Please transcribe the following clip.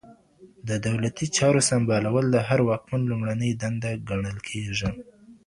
د دولتي چارو سمبالول د هر واکمن لومړنۍ دنده ګڼل کېږي.